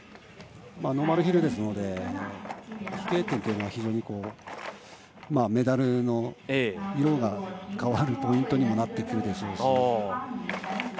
ノーマルヒルですので飛型点というのは非常にメダルの色が変わるポイントにもなってくるでしょうし。